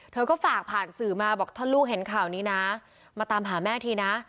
เธอก็ฝากผ่านสื่อมาบอกถ้าลูกเห็นข่าวนี้นะมาตามหาแม่ทีนะ